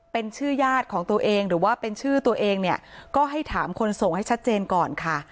เป็นชื่อญาติของตัวเองหรือว่าเป็นชื่อตัวเองเนี่ยก็ให้ถามคนส่งให้ชัดเจนก่อนค่ะ